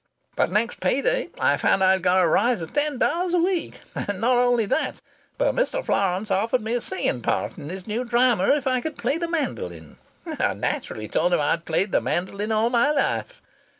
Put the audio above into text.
"But next pay day I found I'd got a rise of ten dollars a week. And not only that, but Mr. Florance offered me a singing part in his new drama, if I could play the mandolin. I naturally told him I'd played the mandolin all my life.